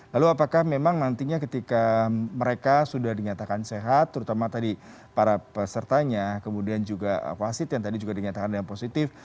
lalu apakah memang nantinya ketika mereka sudah dinyatakan sehat terutama tadi para pesertanya kemudian juga wasit yang tadi juga dinyatakan dengan positif